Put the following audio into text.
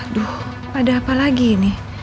aduh ada apa lagi ini